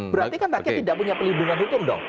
berarti kan rakyat tidak punya pelindungan hukum dong